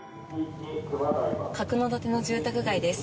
角館の住宅街です。